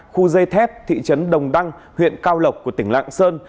khu dây thép thị trấn đồng đăng huyện cao lộc của tỉnh lạng sơn